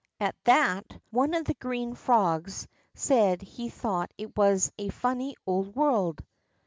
At that, one of the green frogs said be thought it was a funny old world.